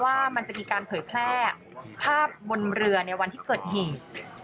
ว่ามันจะมีการเผยแพร่ภาพบนเรือในวันที่เกิดเหตุ